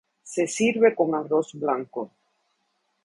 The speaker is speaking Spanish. Se sirve con arroz blanco.